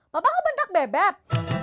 papa nggak bentak bebek